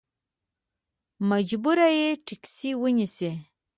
مجبور یې ټیکسي ونیسې.